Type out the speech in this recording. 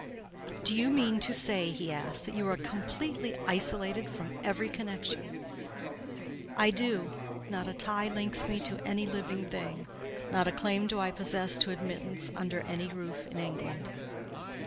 "Do you mean to say," he asked, "that you are completely isolated from every connection?" "I do. Not a tie links me to any living thing: not a claim do I possess to admittance under any roof in England."